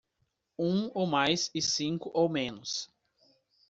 Um ou mais e cinco ou menos